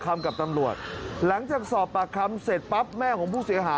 มันกระชากน้อง